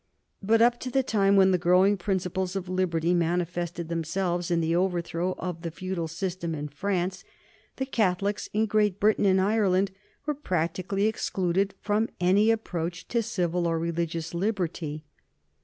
But up to the time when the growing principles of liberty manifested themselves in the overthrow of the feudal system in France the Catholics in Great Britain and Ireland were practically excluded from any approach to civil or religious liberty.